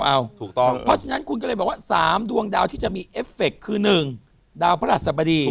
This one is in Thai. เพราะฉะนั้นคุณก็เลยบอกว่า๓ดวงดาวที่จะมีเอฟเฟคคือ๑ดาวพระราชสบดี